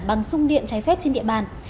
bằng xung điện trái phép trên địa bàn